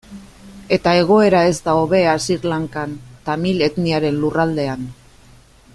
Eta egoera ez da hobea Sri Lankan, tamil etniaren lurraldean.